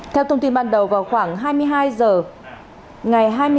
theo thông tin ban đầu vào khoảng hai mươi hai giờ ngày hai mươi sáu